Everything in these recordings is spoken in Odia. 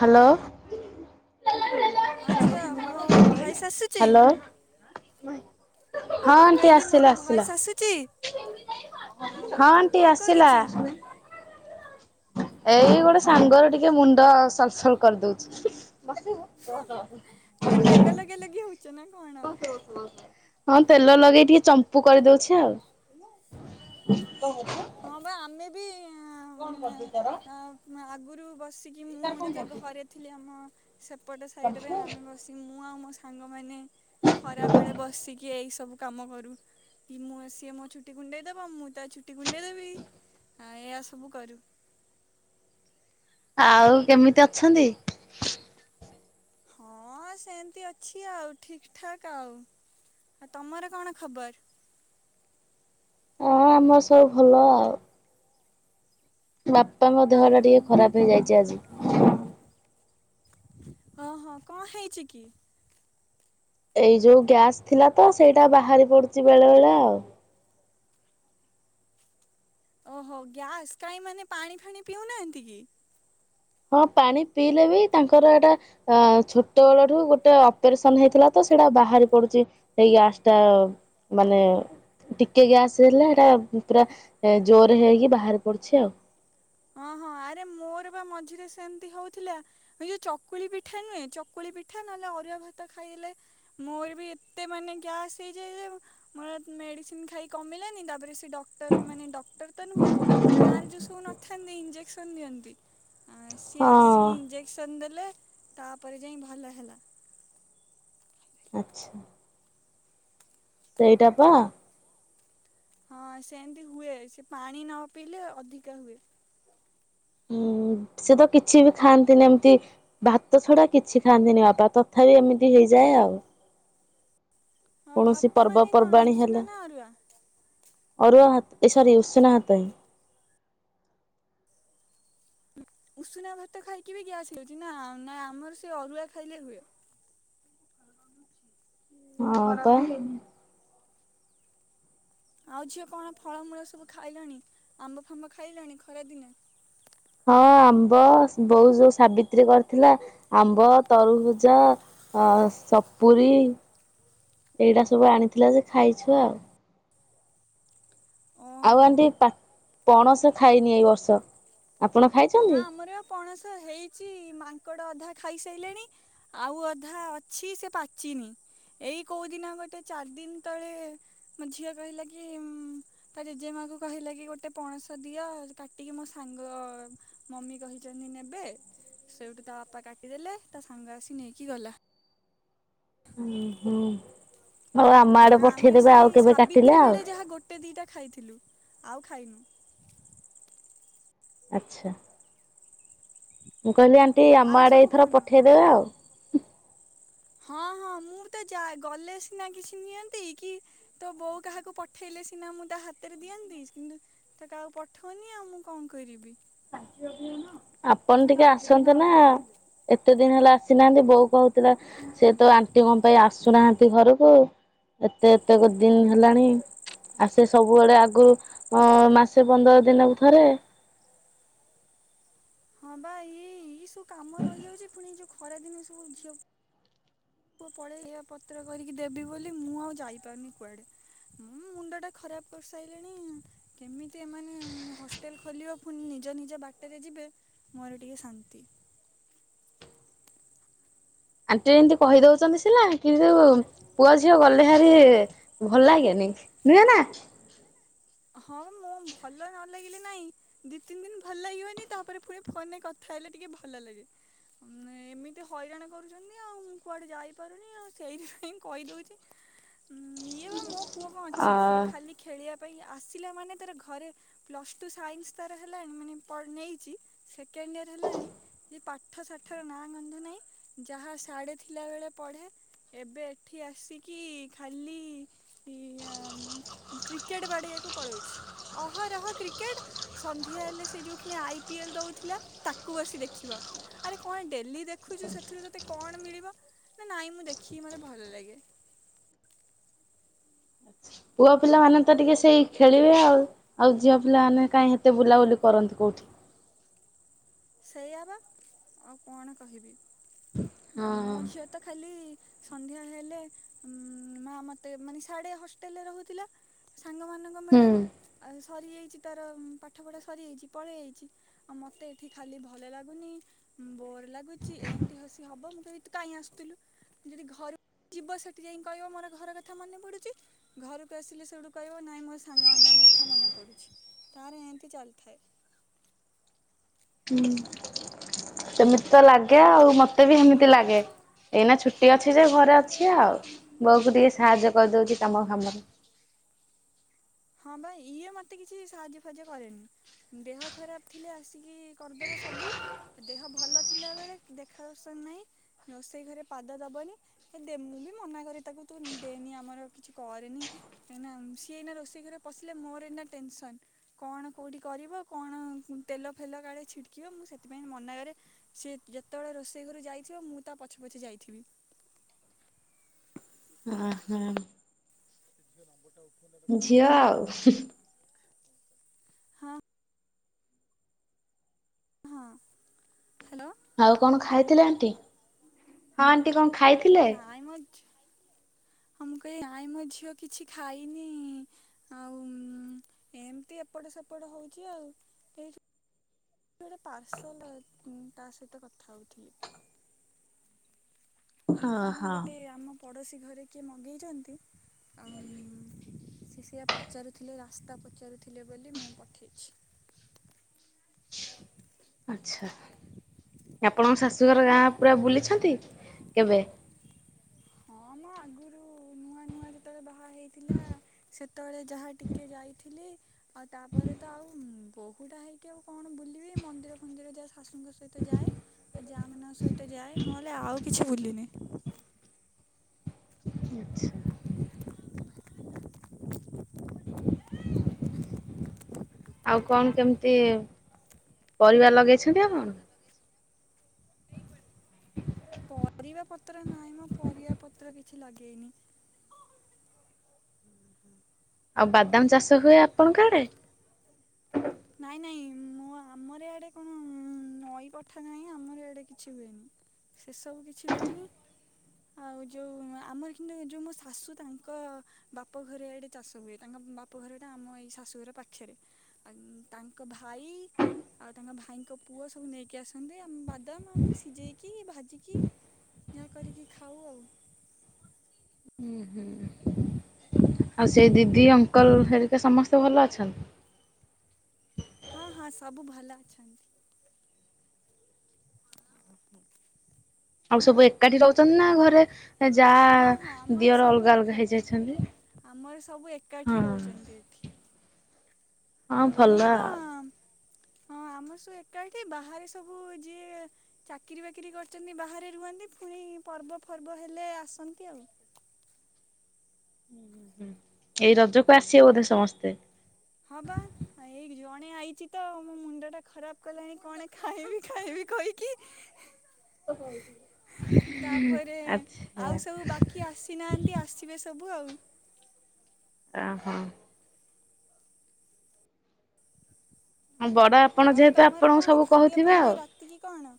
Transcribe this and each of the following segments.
ହାଲୋ। ହଁ ଝିଅ ମୋ ଭଏସ ଆସୁଛି? ହ୍ୟାଲୋ ହଁ ମୁଁ ଆଣ୍ଟି କଇଲି ଆସିଲା ମୋର ଆସିଲା ଭଏସ ଆସୁଚି? ହଁ ହଁ ଆଣ୍ଟି କଣ ଆସିଲା କରୁଚୁ? ଏଇ ଗୋଟେ ସାଙ୍ଗର ଟିକେ ମୁଣ୍ଡ ସଲସଲ କରିଦୋଉଛି। ଖ ତେଲ ଲଗିଆ ଲାଗିଆ ହଉଚ [inaudible] ହଁ ତେଲ ଲଗେଇ ଟିକେ ଚମ୍ପୁ କରିଦଉଛି ଆଉ। [inaudible] ହଁ ବା ଆମେ କଣ କରୁଚନ୍ତି ଆ [inaudible] ମୁ ଆଗରୁ ବସିକି ମୁଁ ଯେତେ ଘରେ ଥିଲି ଆମ ସେପଟ ସାଇଟ୍ ରେ ପାଇଁ ଆମେ ବ ସି ମୁଁ ଆଉ ମୋ ସାଙ୍ଗମାନେ ଖରାବେଳେ ବସିକି ଏଇସବୁ କାମ କରୁ କି ମୁଁ ସିଏ ମୋ ଛୁଟି କୁଣ୍ଡେଇଦବ ମୁଁ ତା ଚୁଟି କୁଣ୍ଡେଇ ଦେବି ଆ ଏୟଆ ସବୁ କରୁ। ଆଉ କେମିତି ଅଛନ୍ତି? ହଁ ସେମିତି ଅଛି ଆଉ ଠିକ୍ ଠାକ୍ ଆଉ ଆଉ ତମର କଣ ଖବର? ଅ ଆମର ସବୁ ଭଲ ଆଉ। ବାପା ଙ୍କ ଦେହ ଆଉ ଟା ଟିକେ ଖରାପ ହେଇଯାଇଛି ଆଜି। ହଁ ହଁ କଣ ହେଇଚି କି? ଏଇ ଯୋଉ ଗ୍ୟାସ୍ ଥିଲା ତ ସେଇଟା ବାହାରି ପଡୁଛି ବେଳେ ବେଳେ ଆଉ। ଓହୋ ଗ୍ୟାସ୍ କାହିଁ ମାନେ ପାଣି ଫାଣି ପିଉନାହାନ୍ତି କି? ହଁ ପାଣି ପିଇଲେ ବି ତାଙ୍କର ଏଟା ଅ ଛୋଟବେଳଠୁ ଗୋଟେ ଅପରେସନ୍ ହେଇଥିଲା ତ ସେଇଟା ବାହାରି ପଡୁଚି। ସେଇ ଗ୍ୟାସ ଟା ମାନେ। ଟିକେ ଗ୍ୟାସ ହେଲା ଏଟା ପୁରା ଜୋରେ ହେଇକି ବାହାରି ପଡୁଚି ଆଉ। ହଁ, ହଁ ଆରେ ମୋର ବା ମଝିରେ ସେମିତି ହଉଥିଲା। ଏଇ ଯୋଉ ଚକୁଳି ପିଠା ନୁହେଁ ଚକୁଳି ପିଠା ନହେଲେ ଅରୁଆ ଭାତ ଖାଇଲେ। ମୋର ବି ଏତେ ମାନେ ଗ୍ୟାସ ହେଇଯାଏ ଯେ। ମୋର ମେଡିସିନ୍ ଖାଇ କମିଲାନି ତାପରେ ସେ ଡକ୍ଟର ମାନେ। ଡକ୍ଟର ତ ନୁହଁ। ଗାଁରେ ଯୋଉ ସବୁ ନଥାନ୍ତି ଇଞ୍ଜେକ୍ସନ୍ ଦିଅନ୍ତି। ଆ ସିଏ ହଁ ଆସିକି ଇଞ୍ଜେକ୍ସନ୍ ଦେଲେ ତାପରେ ଯାଇ ଭଲ ହେଲା। ଆଚ୍ଛା। ସେଇଟା ପା। ହଁ, ସେମିତି ହୁଏ। ସେ ପାଣି ନ ପିଇଲେ ଅଧିକା ହୁଏ। ହୁଁ, ସେ ତ କିଛି ବି ଖାଆନ୍ତିନି ଏମିତି। ଭାତ ଛଡା କିଛି ଖାଆନ୍ତିନି ବାପା, ତଥାପି ଏମିତି ହେଇଯାଏ ଆଉ। ହଁ କୌଣସି ଭାତ ମାନେ କଣ ପର୍ବପର୍ବାଣିୀ ଉଷୁନା ହେଲା, ନା ଅରୁଆ ଅରୁଆ ଭାତ ଏ ସରୀ ଉଷୁନା ଭାତ ହିଁ। ଉଷୁନା ଭାତ ଖାଇକି ବି ଗ୍ୟାସ୍ ହେଉଚି ନା? ନା ଆମର ସେ ଅରୁଆ ଖାଇଲେ ହୁଏ। ଅଛି [inaudible] ହଁ, ତ। ଆଉ ଝିଅ କଣ ଫଳମୂଳ ସବୁ ଖାଇଲଣି? ଆମ୍ବ, ଫାମ୍ବ ଖାଇଲଣି ଖରାଦିନେ? ହଁ, ଆମ୍ବ ବୋଉ ଯୋଉ ସାବିତ୍ରୀ କରିଥିଲା ଆମ୍ବ, ତରୁଭୁଜ। ଅ ସପୁୁରୀ ଏଇଟା ସବୁ ଆଣିଥିଲା ଯେ ଖାଇଛୁ ଆଉ। ଆଉ ଓହୋ ଆଣ୍ଟି ପଣସ ଖାଇନି ଏଇ ବର୍ଷ ଆପଣ ହଁ ଖାଇଚନ୍ତି? ଆମର ପଣସ ହେଇଚି ମାଙ୍କଡ଼ ଅଧା ଖାଇସାଇଲେଣି। ଆଉ ଅଧା ଅଛି ସେ ପାଚିନି। ଏଇ କୋଉଦିନ ଗୋଟେ ଚାରି ଦିନ୍ ତଳେ। ମୋ ଝିଅ କହିଲା କି, ତା ଜେଜେମା କୁ କହିଲା କି ଗୋଟେ ପଣସ। ଦିଅ କାଟିକି ମୋ ସାଙ୍ଗ ମମି କହିଚନ୍ତି ନେବେ। ସେଇଠୁ ତା ବାପା କାଟିଦେଲେ। ତା ସାଙ୍ଗ ଆସି ନେଇକି ଗଲା। ହୁଁ, ହୁଁ ହଉ ଆମ ଆଡେ ଆଉ ଆମେ ପଠେଇଦେବେ ସେଇ ଆଉ କେବେ କାଟିଲେ ସାବିତ୍ରୀ ଆଉ। ବେଳେ ଯାହା ଗୋଟେ, ଦିଇଟା ଖାଇଥିଲୁ ଆଉ ଖାଇନୁ। ଆଚ୍ଛା। ମୁଁ କହିଲି ଆଣ୍ଟି ଆଉ ଆମ ଆଡ଼େ ସବୁ ଏଇଥର କଣ ପଠେଇଦେବେ ଆଉ। ହଁ, ହଁ ମୁଁ ତ ଗଲେ ସିନା କିଛି ନିଅନ୍ତି କି। ତୋ ବୋଉ କାହାକୁ ପଠେଇଲେ ସିନା ମୁଁ ତା ହାତରେ ଦିଅନ୍ତି। କିନ୍ତୁ। ସେ ତ କାହାକୁ ପଠଉନି ଆଉ ମୁଁ କଣ କରିବି। ଆପଣ ଟିକେ ଆସନ୍ତୁ ନା? ଏତେ ଦିନି ହେଲା ଆସିନାହାନ୍ତି ବୋଉ କହୁଥିଲା। ସେ ତୋ ଆଣ୍ଟି କଣ ପାଇଁ ଆସୁନାହାନ୍ତି ଘରକୁ ଏତେ ଏତେ ଦିନ ହେଲାଣି। ଆସେ ସବୁବେଳେ ଆଗୁରୁ ଅ ମାସେ ପନ୍ଦର ଦିନକୁ ଥରେ। ହଁବା, ଇ ଇ ସବୁ କାମ ରହିଯାଉଚି ପୁଣି ଏ ଯୋଉ ଖରା ଦିନେ ସବୁ ଝିଅ। ପୁଅ ପଳେଇ ଏହା ପତ୍ର କରିକି ଦେବି ବୋଲି ମୁଁ ଆଉ ଯାଇପାରୁନି କୁଆଡେ। ମୁଁ ମୁଣ୍ଡ ଟା ଖରାପ କରିସାଇଲେଣି। କେମିତି ଏମାନେ ହଷ୍ଟେଲ ଖୋଲିବ ପୁଣି ନିଜ ନିଜ ବାଟରେ ଯିବେ। ମୋର ଟିକେ ଶାନ୍ତି। ଆଣ୍ଟି ଏମିତି କହିଦଉଚନ୍ତି ସିନା କିନ୍ତୁ। ପୁଅ ଝିଅ ଗଲେ ଭାରି ଭଲ ଲାଗେନି। ନୁହେଁ ନା? ହଁ ମୁଁ ଭଲ ନ ଲାଗିଲି ନାଇଁ। ଦିଇ ତିନି ଦିନ ଭଲ ଲାଗ ହଏନି ତାପରେ ପୁଣି ଫୋନରେ କଥା ହେଲେ ଟିକେ ଭଲ ଲାଗେ। ଏମିତି ହଇରାଣ କରୁଚନ୍ତି ଆଉ ମୁଁ କୁଆଡେ ଯାଇପାରୁନି ଆଉ ସେଇଥିପାଇଁ କହିଦଉଛି। ଇଏ ବା ମୋ ପୁଅ କଣ ଅ ଅଛି ସିଏ ଖାଲି ଖେଳିବା ପାଇଁ ଆସି ପିଲାମାନୋନ ତାର ଘରେ ପ୍ଲସ ଟୁ ସାଇନ୍ସ ତାର ହେଲାଣି ମାନେ ନେଇ ଚି ସେକେଣ୍ଡ ଇୟର ହେଲାଣି ସେ ପା ପାଠ ସାଠ ର ନାଁ ଗନ୍ଧ ନାହିଁ ଯାହା ସାଢେ ଥିଲା ବେଳେ ପଢେ। ଏବେ ଏଠି ଆସିକି ଖାଲି ଇ କ୍ରିକେଟ ବାଡେଇଆକୁ ପଳଉଛି ଅହରହ କ୍ରିକେଟ ସନ୍ଧ୍ୟା ହେଲେ ସେ ଯୋଉ ପୁଣି ଆଇ ପି ଏଲ ଦଉଥିଲା ତାକୁ ବସି ଦେଖିବ। ଆରେ କଣ ଡେଲି ଦେଖୁଛୁ ସେଥିରୁ ଯତେ କଣ ମିଳିବ ନା ନାଇଁ ମୁଁ ଦେଖିକି ମତେ ଭଲ ଲାଗେ। ପୁଅ ପିଲାମାନେ ତ ଟିକେ ସେଇ ଖେଳିବେ ଆଉ। ଆଉ ଝିଅ ପିଲାମାନୋନେ କାହିଁ ଏତେ ବୁଲାବୁଲି କରନ୍ତି କୋଉଠି। ସେଇଆବା ଆଉ କଣ କହିବି। ମୋ ହଁ ଝିଅ ତ ଖାଲି ସନ୍ଧ୍ୟା ହେଲେ ଉ ମା ମତେ ମାନେ ସାଢେ ହ ହୋଟେଲରେ ରହୁଥିଲା ସାଙ୍ଗମାନଙ୍କ ମେଳରେ ହୁଁ ଆଉ ସରିଯାଇଛି ତାର ପାଠ ପଢା ସରିଯାଇଛି ପଳେଇ ଆଇଛି ଆଉ ମତେ ଏଠି ଖାଲି ଭଲ ଲାଗୁନି ବୋର ଲାଗୁଚି ଏମିତି ହସି ହବ ମୁଁ କେମି କାହିଁ ଆସୁଥିଲୁ ଯଦି ଘରୁ ଯିବ ସେଠି ଯାଇ କହିବ ମୋର ଘର କଥା ମନେ ପଡୁଛି ଘରକୁ ଆସିଲେ ସେବଠୁ କହିବ ନାହିଁ ମୋ ସାଙ୍ଗମାନଙ୍କ କଥା ମନେ ପଡ଼ୁଛି ତାର ଏମିତି ଚାଲିଥାଏ। ହୁଁ ସେମିତି ତ ଲାଗେ ଆଉ ମତେ ବି ହେମିତି ଲାଗେ। ଏଇନା ଛୁଟି ଅଛି ଯେ ଘରେ ଅଛି ଆଉ ବୋଉକୁ ଟିକେ ସାହାଯ୍ୟ କରିଦେଉଛି ତମ କାମରେ ହଁ ଭ ଇଏ ମତେ କିଛି ସାହାଯ୍ୟ ଫଜ କରେନି। ଦେହ ଖରାପ ଥିଲେ ଆସିକି କରିଦବ ସବୁ ଦେହ ଭଲ ଥିଲା ବେଳେ ଦେଖା ଦର୍ସନ ନାହିଁ ରୋଷେଇ ଘରେ ପାଦ ଦବନି ହେ ଦେ ମୁଁ ବି ମନାକ ତାକୁ ତୁ ଦେନି ଆମର କିଛି କରେନି କାହିଁକିନା ସିଏଏଇନା ରୋଷେଇ ସେ ଘରେ ପଶିଲେ ମୋର ଏଇ ନାନା ଟେନସନ୍। କଣ କଉଠି କରିବ କଣ ତେଲ ଫେଲ କାଳେ ଛିଟକିବ ମୁଁ ସେଥିପାଇଁ ମନା କରେ ସିଏ ଯେତେବେଳେ ରୋଷେଇ ଘରୁ ଯାଇଥିବ ମୁଁ ତା ପଛେ ପଛେ ଯାଇଥିବି। ଓ ହ। ସେିନ ବଟାଉ ଉପ [unintelligible] ଝିଅ ଆଉ ହଁ। ହଁ ହ୍ୟାଲୋ। ଆଉ କଣ ଖାଇଥିଲେ ଆଣ୍ଟି ହଁ ଆଣ୍ଟି କଣ ଖାଇ ନାଇଁ ମୋ ହ ମୁଁ କହି ନାଇଁ ମୋ ଝିଅ କିଛି ଖାଇନି ଆଉ ଏମିତି ଏପଟ ସେପଟ ହଉଛି ଆଉ। ଗୋଟେ ପାର୍ସଲ ତା ସହିତ କଥା ହଉଥିଲି। ହଁ କଣ ହଁ। ଗୋଟେ ଆମ ପଡୋଶୀ ଘରେ କିଏ ମଗେଇଛନ୍ତି? ଆଉ ସେ ସେଆ ପଚାରୁଥିଲେ ରାସ୍ତା ପଚାରୁଥିଲେ ବୋଲି ମୁଁ ପଠେଇଛି। ଆଚଛା ଆପଣଙ୍କ ଶାଶୁଘର ଗାଁ ପୁରା ବୁଲିଛନ୍ତି କେବେ? ହଁ ମୁ ଆଗରୁ ନୂଆ ନୂଆ ଯେ ଯେତେବେଳେ ବାହା ହେଇଥିଲା ସେତେବେଳେ ଯାହା ଟିକେ ଯାଇଥିଲି। ଆଉ ତାପରେ ତ ଆଉ ବୋହୁଟା ହେଇକି ଆଉ କଣ ବୁଲିବି ମନ୍ଦିର ଫନ୍ଦିରରେ ଯ ଶାଶୁଙ୍କ ସ ସହିତ ଯାଏ ଯାମାନଙ୍କ ସହିତ ଯାଏ ନହେଲେ ଆଉ କିଛି ବୁଲିନି। ଆଚ୍ଛା। [inaudible] ଆଉ କଣ କେମିତି ପରିବା ଲଗେଇଛନ୍ତି ଆପଣ? ପରିବା ପତ୍ର ନାହିଁ ମୋ ପରିବା ପତ୍ର କିଛି ଲାଗେଇନି। ଆଉ ବାଦାମ ଚାଷ ହୁଏ ଆପଣଙ୍କ ଆଡେ। ନାଇଁ ନାଇଁ ମୋ ଆମର ଆଡେ କଣ ନଈ କଠା ନାହିଁ ଆମର ଇଆଡେ କିଛି ହୁଏନି। ସେ ସବୁ କିଛି ହୁଏନି। ଆଉ ଯୋଉଁ ଆମର କିନ୍ତୁ ଯୋଉଁ ମୋ ଶାଶୁ ତାଙ୍କ। ବାପଘରେ ଆଡ଼େ ଚାଷ ହୁଏ ତାଙ୍କ ବାପଘରଟା ଆମ ଏଇ ଶାଶୁଘର ପାଖରେ ଆଉ। ତାଙ୍କ ଭାଇ। ଆଉ ତାଙ୍କ ଭାଇଙ୍କ ପୁଅ ସବୁ ନେଇକି ଆସନ୍ତି ଆମ ବାଦାମ ଆମେ ସିଝେଇକି ଭାଜିକି। ଏୟା କରିକି ଖାଉ ଆଉ। ହୁଁ ହୁଁ। ଆଉ ସେଇ ଦିଦି ଅଙ୍କଲ ହେରିକା ସମସ୍ତେ ଭଲ ଅଛନ୍ତି। ହଁ ହଁ ସବୁ ଭଲ ଅଛନ୍ତି। ଆଉ ସବୁ ଏକାଠି ରହୁଛନ୍ତି ନା ଘରେ ଯା ହଁ ହଁ ଆମର ଦିଅର ସବୁ ଅଲଗା ଅଲଗା ଏକାଠି ହେଇଯାଇଛନ୍ତି। ଆମର ସବୁ ହଁ ଏକାଠି ରହୁଛନ୍ତି ଏଠି। ହଁ ଆଉ ଭଲ ଏଇ ପା ଆଉ ହଁ ଆମର ସବୁ ଏକାଠି ବାହାରେ ସବୁ ଯିଏ। ଚାକିରି ବାକିରି କରିଛନ୍ତି ବାହାରେ ରୁହନ୍ତି ପୁଣି ପର୍ବ ଫର୍ବ ହେଲେ ଆସନ୍ତି ଆଉ। ଏଇ ରଜକୁ ଆସିବେ ବୋଧେ ସମସ୍ତେ। ହଁ ପା। ଏଇ ଜଣେ ଆଇଛି ତ ମୋ ମୁଣ୍ଡ ଟା ଖରାପ କଲାଣି କଣ ଖାଇବି ଖାଇବି କହିକି। [inaudible] ଆଚ୍ଛା। କିଏ ଆସିନାହାନ୍ତି ଆସିବେ ସବୁ ଆଉ। ଓ ହୋ। ହଁ ବଡ ଆପଣ ଯେହେତୁ ଆପଣଙ୍କୁ ସବୁ କହୁଥିବେ ଆଉ। ଟିକି କଣ?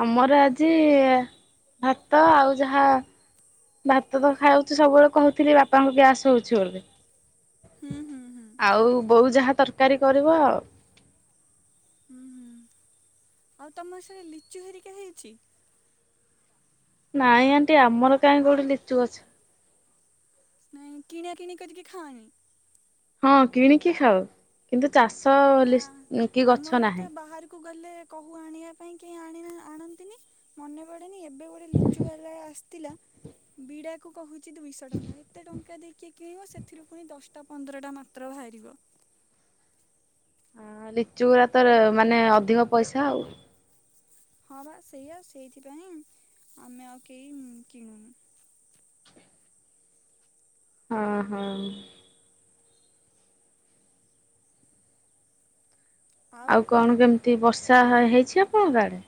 ଆମର ଆଜି ଭାତ ଆଉ ଯାହା। ଭାତ ତ ଖାଉଛି ସବୁବେଳେ କହୁଥିଲି ବାପାଙ୍କୁ ଗ୍ୟାସ୍ ହୋଉଛି ବୋଲି। ହୁଁ ହୁଁ ହୁଁ ଆଉ ବୋଉ ଯାହା ତରକାରୀ କରିବ ଆଉ। ହୁଁ ହୁଁ ଆଉ ତମ ସେରେ ଲିଚୁ ହେରିକା ହେଇଛି। ନାଇଁ ଆଣ୍ଟି ଆମର କାହିଁ କୋଉଠି ଲିଚୁ ଗଛ। ନାଇଁ କିଣା କିଣି କରିକି ଖାଅନି। ହଁ କିଣିକି ଖାଉ କିନ୍ତୁ ଚାଷ ହେଲେ କି ଗଛ ନାହିଁ। କୁ ଗଲେ କହୁ ଆଣିବା ପାଇଁ କେହି ଆଣନ୍ତିନି। ମନେ ପଡେନି ଏବେ ଗୋଟେ ଲିଚୁ ବାଲା ଆସିଥିଲା ବିଡା। ତାକୁ କହୁଛି ଦୁଇଶହ ଟଙ୍କା ଏତେ ଟଙ୍କା ଦେଇକି କିଏ କିଣିବ ସେଥିରୁ ପୁଣି ଦଶଟା ପନ୍ଦର ଟା ମାତ୍ର ବାହାରିବ। ହଁ ଲିଚୁ ଗୁରା ତ ମାନେ ଅଧିକ ପଇସା ଆଉ। ହଁ ବା ସେୟା ସେଇଥିପାଇଁ ଆମେ ଆଉ କେହି କିଣୁନୁ।। ହଁ ହଁ। ଆଉ କଣ କେମିତି ବର୍ଷା ହେଇଛି ଆପଣଙ୍କ ଆଡେ।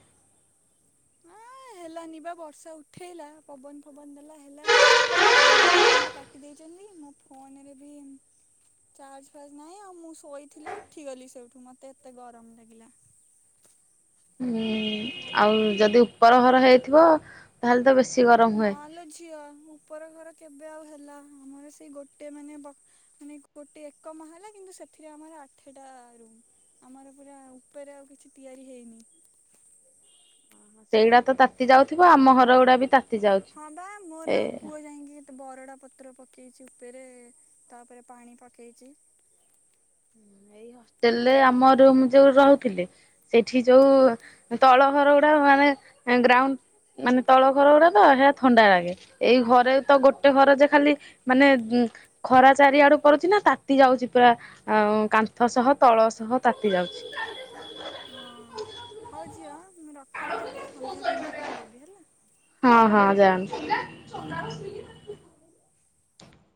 ଆ ହେଲାନି ବା ବର୍ଷା ଉଠେଇଲା ପବନ ଫବନ ଦେଲା ହେଲାନି। ହେଲେ କରେଣ୍ଟ କାଟି ଦେଇଛନ୍ତି ମୋ ଫୋନରେ ବି। ଚାର୍ଜ ଫାର୍ଜ ନାହିଁ ଆଉ ମୁଁ ଶୋଇଥିଲି ଉଠିଗଲି ସେଇଠୁ ମତେ ଏତେ ଗରମ ଲାଗିଲା। ହୁଁ ଆଉ ଯଦି ଉପର ଘର ହେଇଥିବ ତାହେଲେ ତ ବେଶି ଗରମ ହୁଏ। ହେଲେ ଝିଅ ମୁଁ ଉପର ଘର କେବେ ଆଉ ହେଲା ଆମର ସେଇ ଗୋଟେ ମାନେ ବ ମାନେ ଗୋଟେ ଏକ ମାହେଲା କିନ୍ତୁ ସେଥିରେ ଆମର ଆଠଟା ରୁମ୍। ଆମର ପୁରା ଉପରେ ଆଉ କିଛି ତିଆରି ହେଇନି। ହଁ ସେଇଗୁଡା ତ ତାତି ଯାଉଥିବ ଆମ ଘରଗୁଡା ବି ତା ହଁ ବା ମୋର ପୁଅ ଯାଇଁକି ତ ବରଡ଼ା ପତ୍ର ପକେଇଛି ଉପରେ ତାପରେ ପାଣି ପକେଇଛି। ଏଇ ହଷ୍ଟେଲରେ ଆମ ରୁମ୍ ଯୋଉ ରହୁଥିଲେ ସେଠି ଯୋଉ ତଳ ଘର ଗୁଡା ମାନେ ଗ୍ରାଉଣ୍ଡ ମାନେ ତଳ ଘର ଗୁଡା ତ ହେରା ଥଣ୍ଡା ଲାଗେ ଏଇ ଘରେ ତ ଗୋଟେ ଘରେ ଯେ ଖାଲି ମାନେ ଉ ଖରା ଚାରିଆଡୁ କରୁଛି ନା ତାତି ଯାଉଛି ପୁରା ଆ କା ନ୍ଥ ସହ ତଳ ସହ ତାତି ଯାଉଛି। ହଁ ହଉ ଝିଅ ମୁଁ ରଖୁଛି ଯାଉଛି ସନ୍ଧ୍ୟା ଫନ୍ଧ୍ୟା କଣ ଦେବି ହେଲା। ହଁ ହଁ ଜାଆନ୍ତୁ। ହୁଁ।